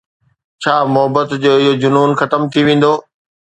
ڇا محبت جو اهو جنون ختم ٿي ويندو؟